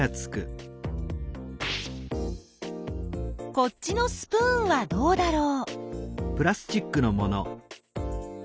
こっちのスプーンはどうだろう？